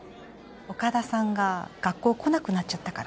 岡田さんが学校来なくなっちゃったから